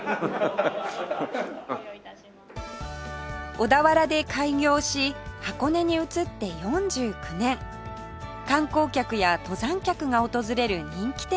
小田原で開業し箱根に移って４９年観光客や登山客が訪れる人気店です